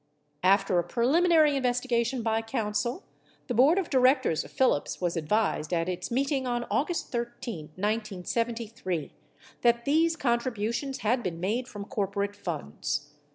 After a preliminary investigation by counsel, the board of directors of Phillips was advised at its meeting on August 13, 1973, that these contributions had been made from corporate funds.